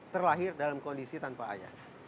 terlahir dalam kondisi tanpa ayah